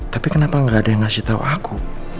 tapi kenapa gak ada yang ngasih tahu aku